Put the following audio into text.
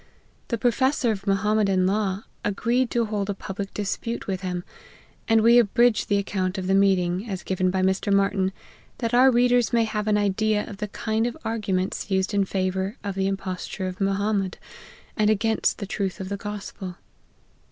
The Professor of Mohammedan law agreed to hold a public dispute with him, and we abridge the account of the meet ing as given by Mr. Martyn, that our readers may have an idea of the kind of arguments used in fa vour of the imposture of Mohammed, and against the truth of the gospel.